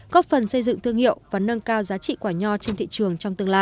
góp phần xây dựng thương hiệu và nâng cao giá trị quả nho trên thị trường trong tương lai